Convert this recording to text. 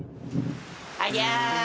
ありゃあ。